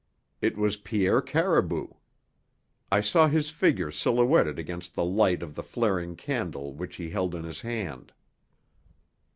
It was Pierre Caribou. I saw his figure silhouetted against the light of the flaring candle which he held in his hand.